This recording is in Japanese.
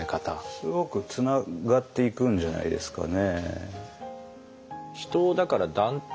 すごくつながっていくんじゃないですかね。